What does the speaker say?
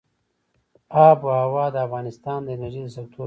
آب وهوا د افغانستان د انرژۍ د سکتور برخه ده.